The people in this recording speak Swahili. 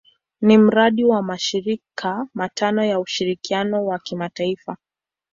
Ni mradi wa mashirika matano ya ushirikiano wa kimataifa.